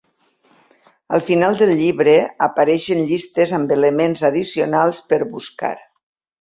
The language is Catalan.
Al final del llibre apareixen llistes amb elements addicionals per buscar.